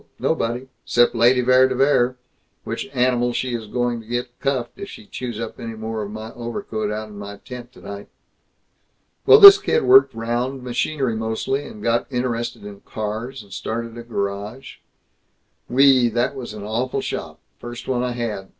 Nobody. 'Cept Lady Vere de Vere which animal she is going to get cuffed if she chews up any more of my overcoat out in my tent tonight!... Well, this kid worked 'round, machinery mostly, and got interested in cars, and started a garage Wee, that was an awful shop, first one I had!